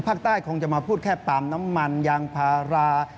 คงจะมาพูดแค่ปาล์มน้ำมันยางพารา